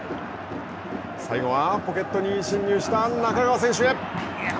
最後は、ポケットに侵入した仲川選手へ。